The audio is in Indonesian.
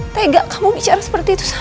taiga kamu bicara seperti itu sama ma